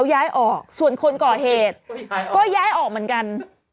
ย้ายเหมือนกัน